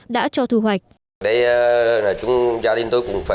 đã cho thu hoạch